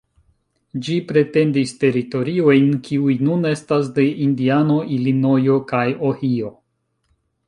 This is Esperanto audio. Ĝi pretendis teritoriojn, kiuj nun estas de Indiano, Ilinojo kaj Ohio.